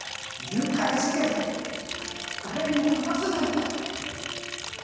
誘拐事件は誰にも話せないんだよ